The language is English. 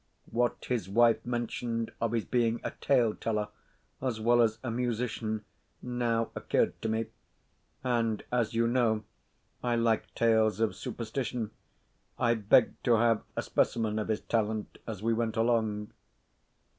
What his wife mentioned of his being a tale teller as well as a musician now occurred to me; and as, you know, I like tales of superstition, I begged to have a specimen of his talent as we went along.